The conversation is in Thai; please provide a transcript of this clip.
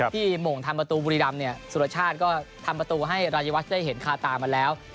หม่งทำประตูบุรีรำเนี่ยสุรชาติก็ทำประตูให้รายวัชได้เห็นคาตามาแล้ว